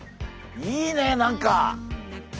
いいね何か。